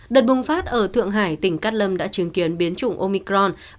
đợt bùng phát ở thượng hải tỉnh cát lâm đã chứng kiến biến chủng omicron